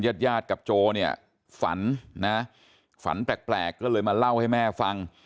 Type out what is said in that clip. ญาติญาติกับโจเนี่ยฝันนะฝันแปลกก็เลยมาเล่าให้แม่ฟัง